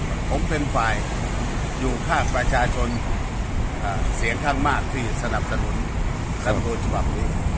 ผมเป็นฝ่ายอยู่ข้างประชาชนเสียงข้างมากที่สนับสนุนรัฐบุรุณีสภาพดี๑๖๘๐๐๐๐๐คน